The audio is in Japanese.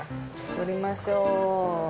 取りましょう。